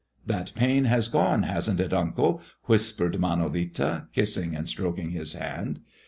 "That pain has gone, hasn't it, uncle?" whispered Manolita, kissing and stroking his hand.